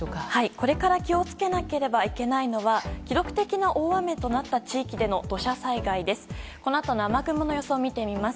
これから気を付けなければいけないのは記録的な大雨となった地域での土砂災害です。